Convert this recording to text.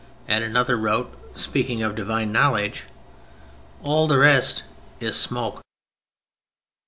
And another wrote, speaking of divine knowledge: "All the rest is smoke."